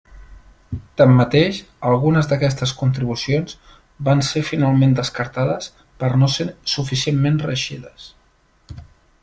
Tanmateix, algunes d'aquestes contribucions van ser finalment descartades per no ser suficientment reeixides.